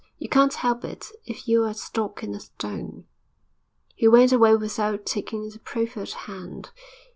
'You can't help it, if you're a stock and a stone.' He went away without taking the proffered hand.